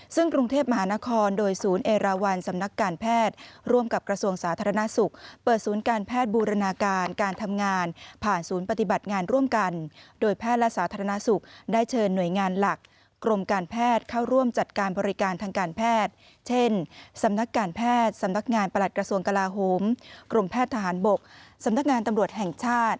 ซึ่งกรุงเทพมหานครโดยศูนย์เอราวันสำนักการแพทย์ร่วมกับกระทรวงสาธารณสุขเปิดศูนย์การแพทย์บูรณาการการทำงานผ่านศูนย์ปฏิบัติงานร่วมกันโดยแพทย์และสาธารณสุขได้เชิญหน่วยงานหลักกรมการแพทย์เข้าร่วมจัดการบริการทางการแพทย์เช่นสำนักการแพทย์สำนักงานประหลัดกระทรวงกลาโฮมกรมแพทย์ทหารบกสำนักงานตำรวจแห่งชาติ